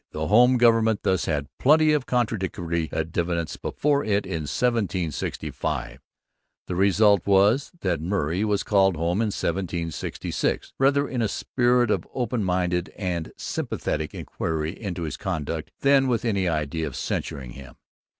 The home government thus had plenty of contradictory evidence before it in 1765. The result was that Murray was called home in 1766, rather in a spirit of open minded and sympathetic inquiry into his conduct than with any idea of censuring him.